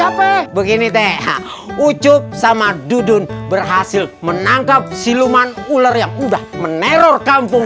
apa begini teh ucup sama dudun berhasil menangkap siluman ular yang udah meneror kampung